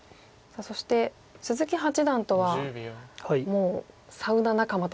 そして鈴木八段とはもうサウナ仲間として有名ですよね。